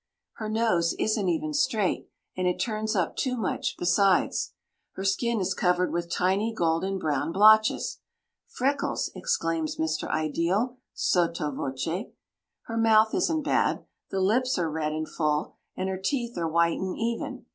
Her nose isn't even straight, and it turns up too much besides. Her skin is covered with tiny golden brown blotches. "Freckles!" exclaims Mr. Ideal, sotto voce. Her mouth isn't bad, the lips are red and full and her teeth are white and even.